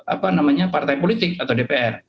apa namanya partai politik atau dpr